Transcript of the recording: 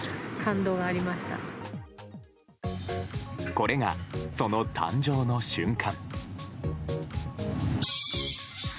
これが、その誕生の瞬間。